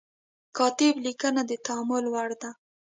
کاتب لیکنه د تأمل وړ ده.